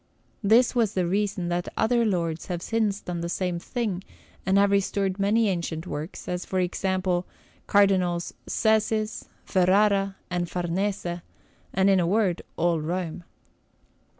This was the reason that other lords have since done the same thing and have restored many ancient works; as, for example, Cardinals Cesis, Ferrara, and Farnese, and, in a word, all Rome.